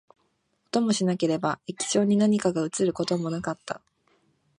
音もしなければ、液晶に何かが写ることもなかった